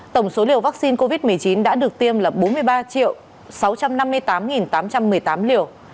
tổng số liều vaccine covid một mươi chín đã được tiêm là bốn mươi ba sáu trăm năm mươi tám tám trăm một mươi tám liều